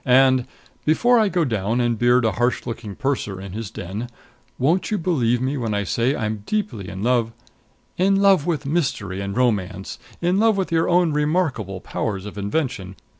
And, before I go down and beard a harsh looking purser in his den, won't you believe me when I say I'm deeply in love " "In love with mystery and romance! In love with your own remarkable powers of invention!